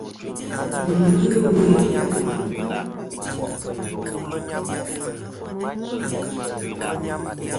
Wù n-ghɨ ɨwe.